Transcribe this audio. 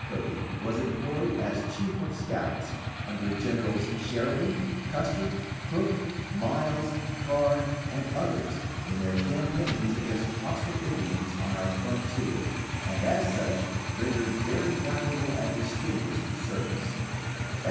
Cody was employed as chief of scouts under Generals Sheridan, Custer, Crook, Miles, Carr, and others in their campaigns against hostile Indians on our frontier, and as such rendered very valuable and distinguished service.